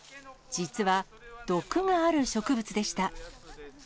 実は、毒がある植物でした。